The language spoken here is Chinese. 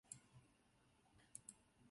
尚书瞿景淳之次子。